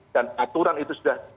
dan aturan itu sudah